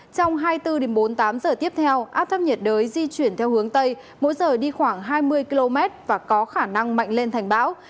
trong hai mươi bốn bốn mươi tám giờ tiếp theo áp thấp nhiệt đới di chuyển theo hướng tây mỗi giờ đi khoảng hai mươi km và có khả năng mạnh lên thành bão